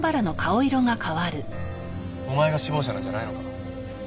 お前が首謀者なんじゃないのか？